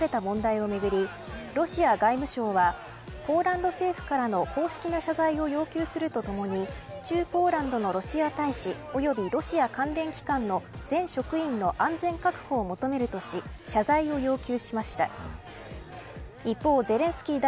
ウクライナ侵攻に反対する抗議者グループに赤い液体をかけられた問題をめぐりロシア外務省はポーランド政府からの公式な謝罪を要求するとともに駐ポーランドのロシア大使及びロシア関連機関の全職員の安全確保を求めるとし謝罪を要求しました。